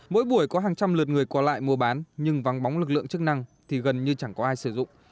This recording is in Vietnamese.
mỗi buổi có hàng trăm lượt người qua lại mua bán nhưng vắng bóng lực lượng chức năng thì gần như chẳng có ai sử dụng